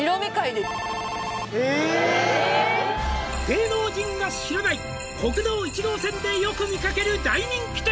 「芸能人が知らない」「国道１号線でよく見かける大人気店」